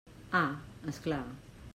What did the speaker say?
Ah, és clar.